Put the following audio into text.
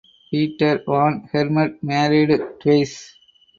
Peter van Hemert married twice.